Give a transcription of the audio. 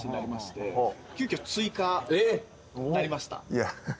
いや。